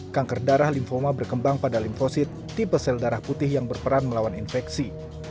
kanker darah lymphoma berkembang pada limfosit tipe sel darah putih yang berperan melawan infeksi